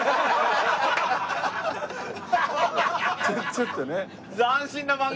ちょっとね。